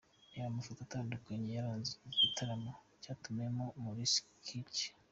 Reba amafoto atandukanye yaranze iki gitaramo cyatumiwemo Maurice Kirya.